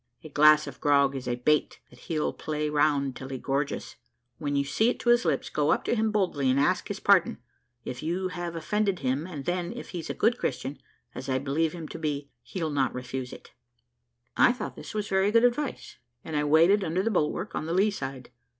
"A glass of grog is a bait that he'll play round till he gorges. When you see it to his lips, go up to him boldly, and ask his pardon, if you have offended him, and then, if he's a good Christian, as I believe him to be, he'll not refuse it." I thought this was very good advice, and I waited under the bulwark on the lee side.